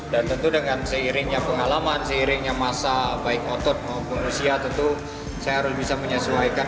dan tentu dengan seiringnya pengalaman seiringnya masa baik otot maupun usia tentu saya harus bisa menyesuaikan